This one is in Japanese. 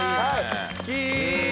好き！